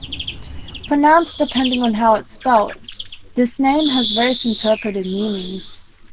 Pronounced depending on how it's spelled, this name has various interpreted meanings.